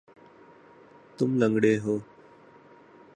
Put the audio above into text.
تم لنگڑے ہو